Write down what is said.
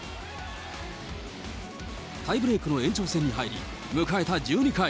タイブレークの延長戦に入り、迎えた１２回。